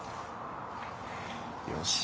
よし。